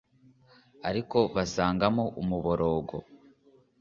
ariko abasangamo umuborogo